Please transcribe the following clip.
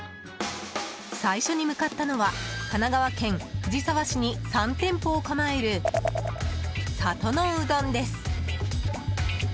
最初に向かったのは神奈川県藤沢市に３店舗を構える里のうどんです。